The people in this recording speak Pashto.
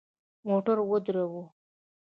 موټر ودروه !